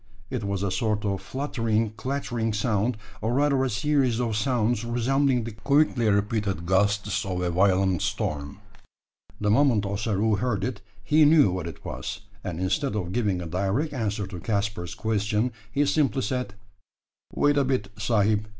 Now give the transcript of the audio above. It was a sort of fluttering, clattering sound, or rather a series of sounds, resembling the quickly repeated gusts of a violent storm. The moment Ossaroo heard it, he knew what it was; and instead of giving a direct answer to Caspar's question, he simply said "Wait a bit, sahib.